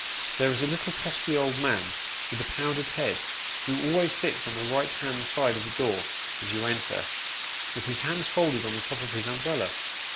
There is a little testy old man, with a powdered head, who always sits on the right hand side of the door as you enter, with his hands folded on the top of his umbrella.